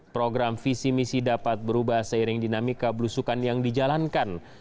program visi misi dapat berubah seiring dinamika belusukan yang dijalankan